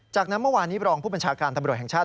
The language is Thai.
จากนั้นเมื่อวานนี้บรองผู้บัญชาการตำรวจแห่งชาติ